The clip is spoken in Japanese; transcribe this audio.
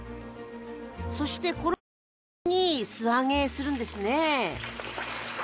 そして衣をつけずに素揚げするんですね！